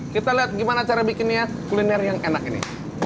kita lihat gimana cara bikinnya kuliner yang enak ini